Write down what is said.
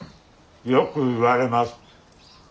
よく言われます。